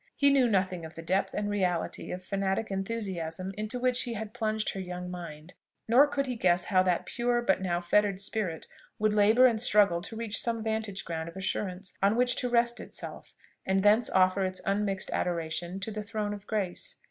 He knew nothing of the depth and reality of fanatic enthusiasm into which he had plunged her young mind; nor could he guess how that pure, but now fettered spirit, would labour and struggle to reach some vantage ground of assurance on which to rest itself, and thence offer its unmixed adoration to the throne of grace.